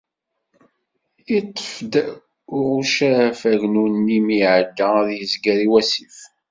Yeṭṭef-d uɣucaf agnu-nni mi iεedda ad yezger i wasif.